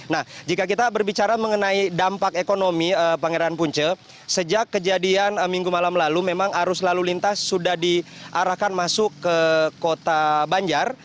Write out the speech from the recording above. nah jika kita berbicara mengenai dampak ekonomi pangeran punce sejak kejadian minggu malam lalu memang arus lalu lintas sudah diarahkan masuk ke kota banjar